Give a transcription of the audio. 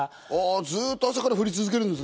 ずっと朝から降り続けるんですね。